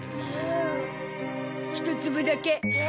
１粒だけ。